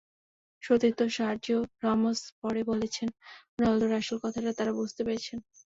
সতীর্থ Sergio Ramos পরে বলেছেন, রোনালদোর আসল কথাটা তাঁরা বুঝতে পেরেছেন।